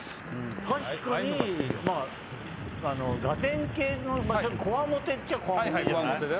確かにガテン系のちょっとこわもてっちゃこわもてじゃない。